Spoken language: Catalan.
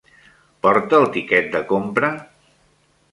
Porta el tiquet de compra?